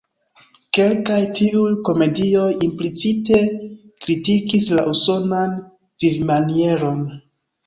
Kelkaj tiuj komedioj implicite kritikis la usonan vivmanieron.